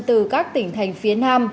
từ các tỉnh thành phía nam